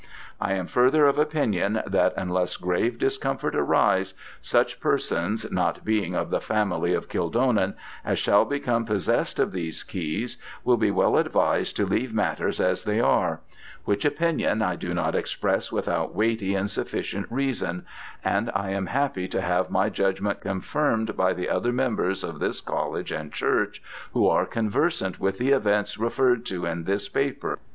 I am further of opinion that unless grave discomfort arise, such persons, not being of the Family of Kildonan, as shall become possess'd of these keys, will be well advised to leave matters as they are: which opinion I do not express without weighty and sufficient reason; and am Happy to have my Judgment confirm'd by the other Members of this College and Church who are conversant with the Events referr'd to in this Paper.